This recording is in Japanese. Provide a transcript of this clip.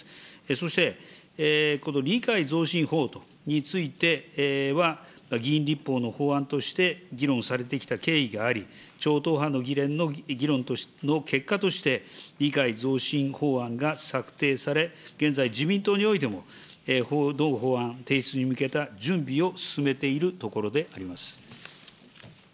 そしてこの理解増進法については、議員立法の法案として議論されてきた経緯があり、超党派の議連の議論の結果として、理解増進法案が策定され、現在自民党においても、同法案提出に向けた準備を進めているところであります。